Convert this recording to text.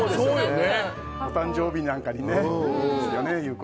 お誕生日なんかにいいですね。